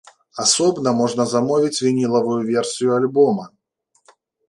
Асобна можна замовіць вінілавую версію альбома.